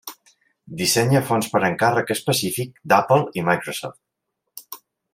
Dissenya fonts per encàrrec específic d'Apple i Microsoft.